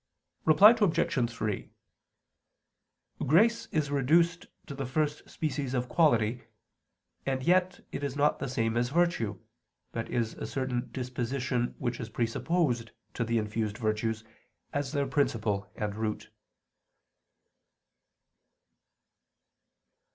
Reply Obj. 3: Grace is reduced to the first species of quality; and yet it is not the same as virtue, but is a certain disposition which is presupposed to the infused virtues, as their principle and root.